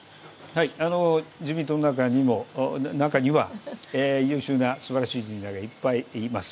自民党の中には優秀なすばらしい人材がいっぱいいます。